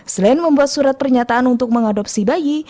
selain membuat surat pernyataan untuk mengadopsi bayi